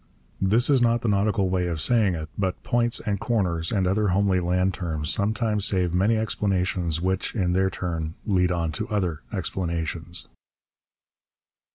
This is not the nautical way of saying it. But 'points' and 'corners' and other homely land terms sometimes save many explanations which, in their turn, lead on to other explanations.